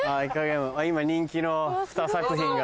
今人気の２作品が。